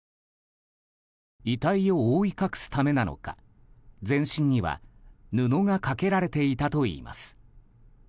遺体を覆い隠すためなのか全身には布がかけられていたといいます。